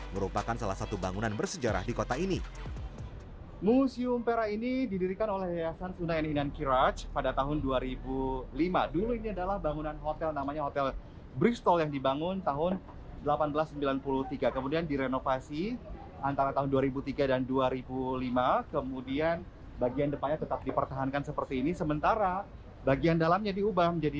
merupakan salah satu bangunan bersejarah di kota ini